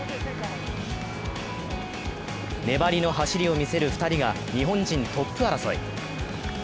粘りの走りを見せる２人が日本人トップ争い。